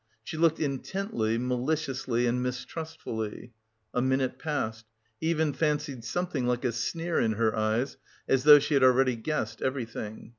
She looked intently, maliciously and mistrustfully. A minute passed; he even fancied something like a sneer in her eyes, as though she had already guessed everything.